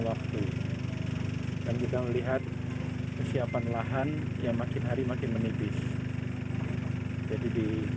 waktu dan kita melihat kesiapan lahan yang makin hari makin menipis jadi di